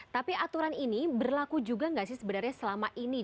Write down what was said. tapi aturan ini berlaku juga nggak sih sebenarnya selama ini